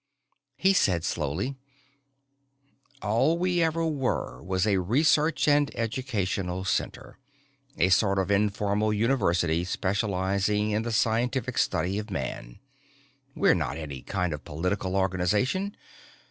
He said slowly, "All we ever were was a research and educational center, a sort of informal university specializing in the scientific study of man. We're not any kind of political organization.